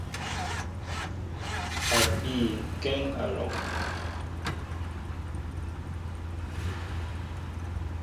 A bii kéŋ alɔŋ.